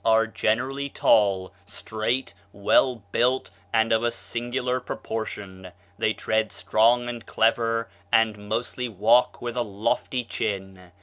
are generally tall, straight, well built, and of singular proportion; they tread strong and clever, and mostly walk with a lofty chin....